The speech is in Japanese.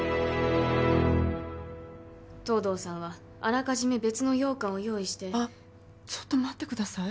藤堂さんはあらかじめ別の羊羹を用意してあっちょっと待ってください